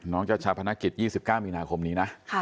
น้องเจ้าชาพนักกิจ๒๙มีนาคมนี้